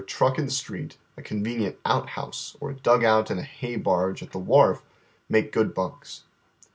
199 truck in the street, a convenient out house, or a dug ont in a hay barge at the wharf make good bunka.